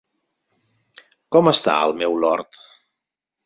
Com està, el meu lord?